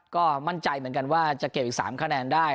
ก็มั่นใจเหมือนกันว่าจะเก็บอีก๓คะแนนได้